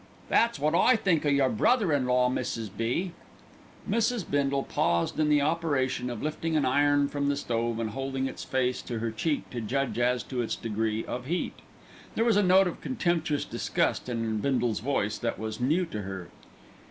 That's wot I think o' your brother in law, Mrs. B." Mrs. Bindle paused in the operation of lifting an iron from the stove and holding its face to her cheek to judge as to its degree of heat. There was a note of contemptuous disgust in Bindle's voice that was new to her.